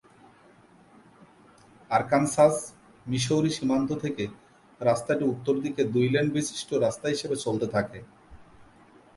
Arkansas-Missouri সীমান্ত থেকে রাস্তাটি উত্তরদিকে দুই-লেন বিশিষ্ট রাস্তা হিসেবে চলতে থাকে।